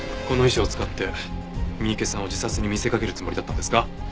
この遺書を使って三池さんを自殺に見せかけるつもりだったんですか？